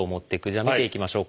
じゃあ見ていきましょう。